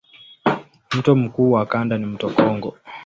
Mto mkubwa wa kanda ni mto Kongo.